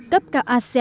cấp cao asia